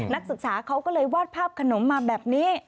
นักศึกษาเขาก็เลยวาดภาพขนมมาแบบนี้